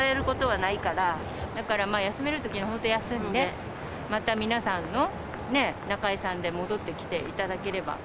だから休めるときに本当休んで、また皆さんの中居さんで戻ってきていただければ。